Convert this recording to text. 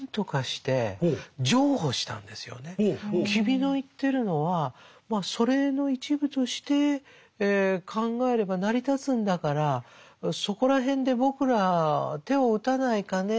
君の言ってるのはまあ祖霊の一部として考えれば成り立つんだからそこら辺で僕ら手を打たないかね。